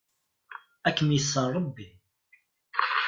Ad kem-iṣer Ṛebbi.